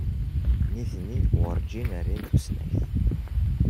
Nitni werǧin rin tusnakt.